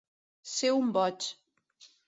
Ser un boig.